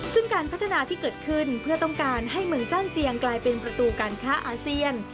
ซึ่งการพัฒนาที่เกิดขึ้นเพื่อต้องการให้เมืองจ้านเจียงกลายเป็นประตูการค้าอาเซียน